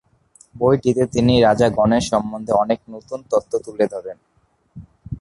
বইটিতে তিনি রাজা গণেশ সম্বন্ধে অনেক নতুন তথ্য তুলে ধরেন।